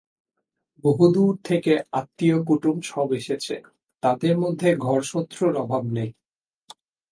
বহুদূর থেকে আত্মীয়-কুটুম সব এসেছে, তাদের মধ্যে ঘরশত্রুর অভাব নেই।